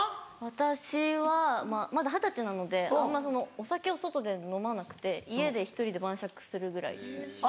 私はまだ二十歳なのであんまそのお酒を外で飲まなくて家で１人で晩酌するぐらいです。